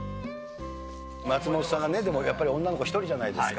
松本さんがね、やっぱり女の子一人じゃないですか。